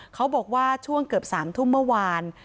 เขาบอกว่าช่วงเกือบ๓ทุ่มเมื่อวาน